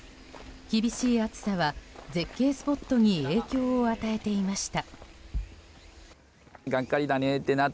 厳しい暑さは絶景スポットに影響を与えていました。